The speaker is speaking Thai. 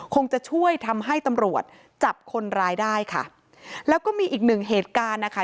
คงจะช่วยทำให้ตำรวจจับคนร้ายได้ค่ะแล้วก็มีอีกหนึ่งเหตุการณ์นะคะ